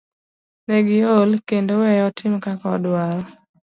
Ne giol kendo weye otim kaka odwaro.